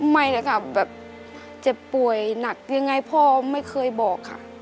ไม่นะคะแบบเจ็บป่วยหนักยังไงพ่อไม่เคยบอกค่ะ